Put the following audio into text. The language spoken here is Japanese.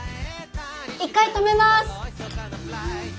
一回止めます。